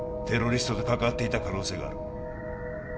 テロリストと関わっていた可能性がある